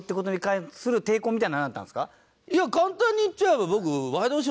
いや簡単に言っちゃえば僕。